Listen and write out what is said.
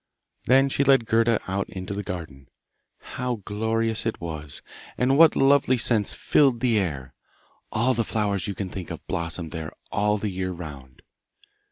Then she led Gerda out into the garden. How glorious it was, and what lovely scents filled the air! All the flowers you can think of blossomed there all the year round.